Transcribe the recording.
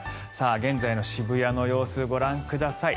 現在の渋谷の様子ご覧ください。